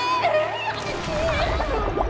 やめて！